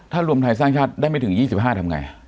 ถ้ารวมไทยสร้างชาติได้ไม่ถึง๒๕ทำไง